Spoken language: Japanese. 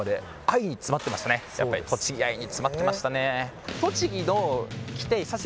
やっぱり栃木愛に詰まってましたね。